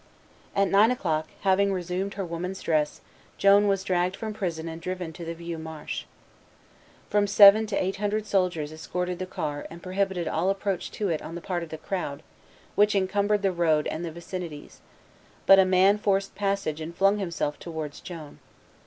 At nine o'clock, having resumed her woman's dress, Joan was dragged from prison and driven to the Vieux Marche. From seven to eight hundred soldiers escorted the car and prohibited all approach to it on the part of the crowd, which encumbered the road and the vicinities; but a man forced a passage and flung himself towards Joan.